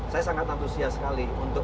saya sangat antusias sekali untuk